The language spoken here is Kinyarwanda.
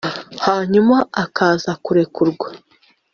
hanyuma akaza kurekurwa